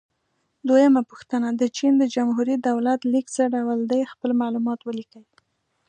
دویمه پوښتنه: د چین د جمهوري دولت لیک څه ډول دی؟ خپل معلومات ولیکئ.